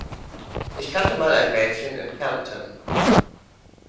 Ich kannte mal ein Mädchen in Kärnten.